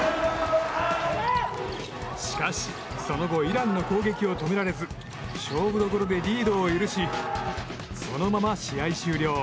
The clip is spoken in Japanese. しかし、その後イランの攻撃を止められず勝負所でリードを許しそのまま試合終了。